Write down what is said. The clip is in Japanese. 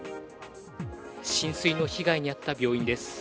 浸水の被害に遭った病院です。